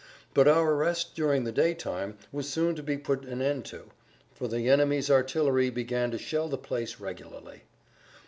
But our rest during the daytime was soon to be put an end to, for the enemy's artillery began to shell the place regularly.